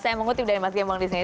saya mengutip dari mas geymong disini